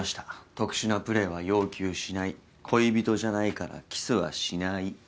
特殊なプレイは要求しない恋人じゃないからキスはしない。